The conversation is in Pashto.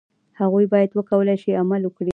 هغه باید وکولای شي عمل وکړي.